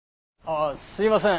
あっすいません。